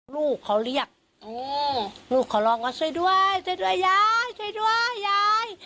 ลูกเขาเรียกลูกเขาร้องว่าช่วยด้วยช่วยด้วยยายช่วยด้วยยาย